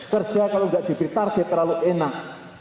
kerja kalau tidak diberi target terlalu enak